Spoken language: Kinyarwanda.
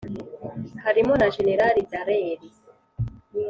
harimo na jenerali dallaire